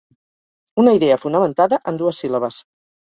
Una idea fonamentada en dues síl·labes.